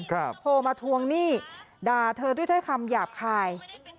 โทรมาทวงหนี้ด่าเธอด้วยถ้อยคำหยาบคาย